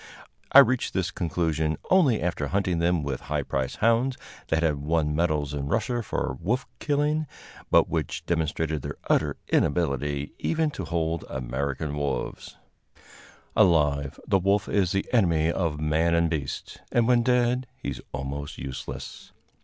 I reached this conclusion only after hunting them with high priced hounds, that had won medals in Russia for wolf killing, but which demonstrated their utter inability even to hold American wolves. Alive, the wolf is the enemy of man and beast, and when dead he is almost useless.